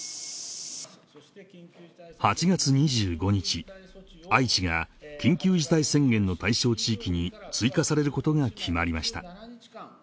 一方で愛知が緊急事態宣言の対象地域に追加されることが決まりました